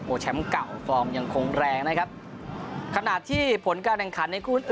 แชมป์เก่าฟอร์มยังคงแรงนะครับขณะที่ผลการแข่งขันในคู่